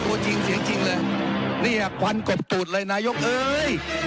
ตัวจริงเสียงจริงเลยเนี่ยควันกบตูดเลยนายกเอ้ย